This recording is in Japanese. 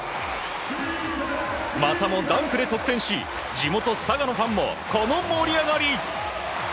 またもダンクで得点し地元・佐賀のファンもこの盛り上がり。